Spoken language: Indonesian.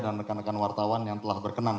dan rekan rekan wartawan yang telah berkenan